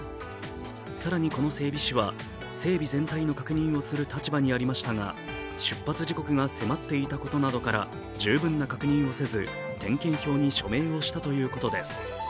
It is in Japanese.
更に、この整備士は整備全体の確認をする立場にありましたが、出発時刻が迫っていたことなどから十分な確認をせず点検表に署名をしたということです。